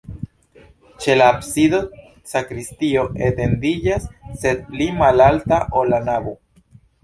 Ĉe la absido sakristio etendiĝas, sed pli malalta, ol la navo.